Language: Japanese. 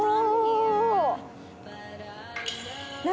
何？